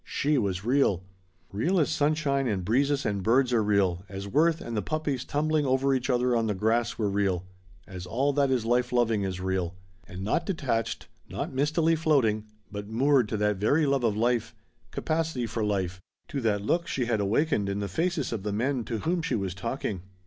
She was real. Real as sunshine and breezes and birds are real, as Worth and the puppies tumbling over each other on the grass were real, as all that is life loving is real. And not detached, not mistily floating, but moored to that very love of life, capacity for life, to that look she had awakened in the faces of the men to whom she was talking.